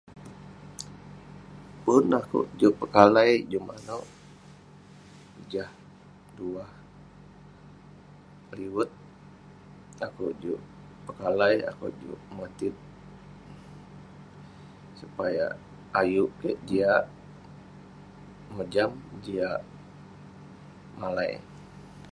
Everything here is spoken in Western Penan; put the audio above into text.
Pun akouk juk pekalai juk manouk, jah duah liwet..akouk juk pekalai, akouk juk motit supaya.. ayuk kik jiak mejam, jiak malai..